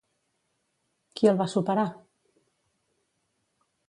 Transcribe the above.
Qui el va superar?